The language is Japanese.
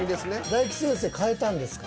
大吉先生変えたんですか。